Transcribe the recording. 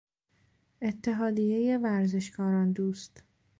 اتحادیهی ورزشکاران دوست